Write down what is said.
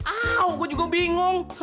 au gua juga bingung